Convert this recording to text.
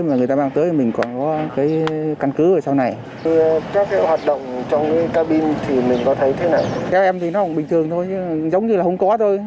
cái em thì nó cũng bình thường thôi giống như là không có thôi